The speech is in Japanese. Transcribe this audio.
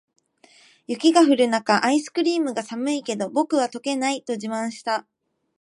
雪が降る中、アイスクリームが「寒いけど、僕は溶けない！」と自慢した。